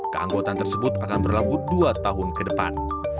keanggotaan tersebut akan berlaku dua tahun ke depan